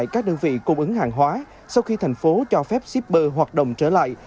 các đơn vị cung ứng hàng hóa sau khi thành phố cho phép shipper hoạt động trở lại